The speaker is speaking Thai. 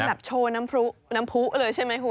เป็นแบบโชว์น้ำพุเลยใช่ไหมหุ่น